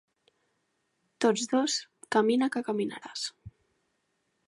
Tots dos, camina que caminaràs.